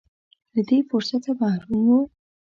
له دې فرصته محروم و.